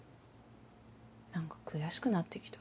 何か悔しくなって来た。